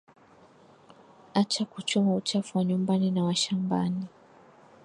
acha kuchoma uchafu wa nyumbani na wa shambani